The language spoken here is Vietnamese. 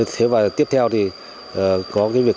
thế và tiếp theo thì có cái việc